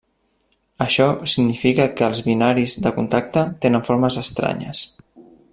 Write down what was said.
Això significa que els binaris de contacte tenen formes estranyes.